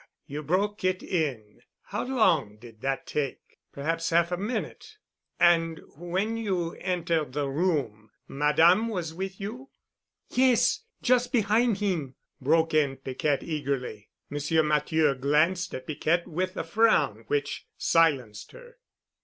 You broke it in? How long did that take?" "Perhaps half a minute." "And when you entered the room, Madame was with you?" "Yes—just behin' heem," broke in Piquette eagerly. M. Matthieu glanced at Piquette with a frown which silenced her.